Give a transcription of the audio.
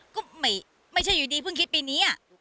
ก็ไม่ใช่อยู่ดีเพิ่งคิดปีนี้